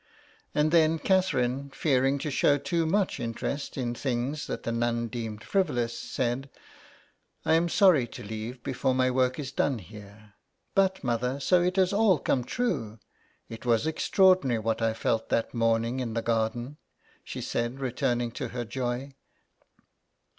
And then Catherine, fearing to show too much interest in things that the nun deemed frivolous, said, " I am sorry to leave before my work is done here. But, mother, so it has all come true ; it was extra ordinary what I felt that morning in the garden," she said, returning to her joy.